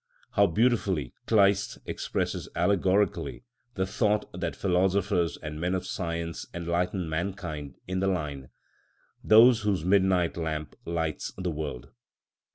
How beautifully Kleist expresses allegorically the thought that philosophers and men of science enlighten mankind, in the line, "Those whose midnight lamp lights the world."